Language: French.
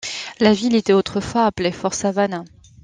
La ville était autrefois appelée Fort Savannah.